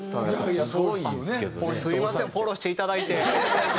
すみませんフォローしていただいて。